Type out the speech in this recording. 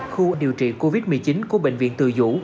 khu điều trị covid một mươi chín của bệnh viện từ dũ